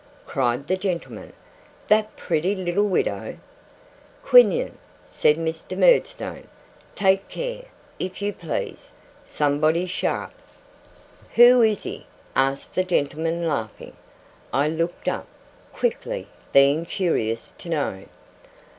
cried the gentleman. 'The pretty little widow?' 'Quinion,' said Mr. Murdstone, 'take care, if you please. Somebody's sharp.' 'Who is?' asked the gentleman, laughing. I looked up, quickly; being curious to know.